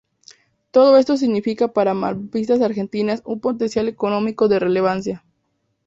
Todo esto significa para Malvinas Argentinas un potencial económico de relevancia.